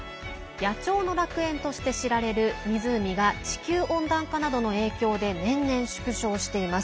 野鳥の楽園として知られる湖が地球温暖化の影響で年々、縮小しています。